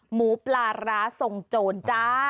หมูปลาร้าทรงโจรจ้า